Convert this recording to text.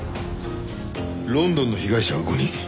ロンドンの被害者は５人。